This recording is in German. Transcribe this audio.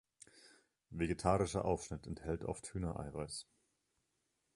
Vegetarischer Aufschnitt enthält oft Hühnereiweiß.